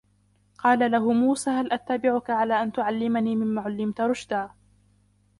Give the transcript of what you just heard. قَالَ لَهُ مُوسَى هَلْ أَتَّبِعُكَ عَلَى أَنْ تُعَلِّمَنِ مِمَّا عُلِّمْتَ رُشْدًا